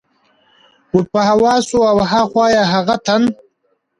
ور په هوا شو، له ها خوا یې هغه تن.